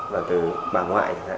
và từ bà ngoại